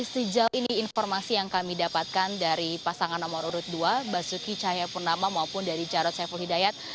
sejauh ini informasi yang kami dapatkan dari pasangan nomor urut dua basuki cahayapurnama maupun dari jarod saiful hidayat